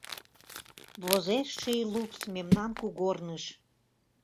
Возеш ший лупс Мемнан кугорныш.